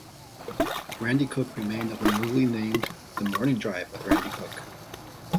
Randy Cook remained on the newly named "The Morning Drive with Randy Cook".